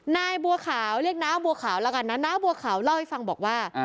นายบัวขาวเรียกน้าบัวขาวแล้วกันนะน้าบัวขาวเล่าให้ฟังบอกว่า